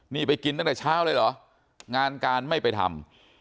นี่ไปกินตั้งแต่เช้าเลยเหรองานการไม่ไปทำ